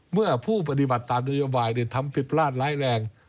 เมื่อผู้ปฏิบัติตามนโยบายทำผิดพลาดร้ายแรง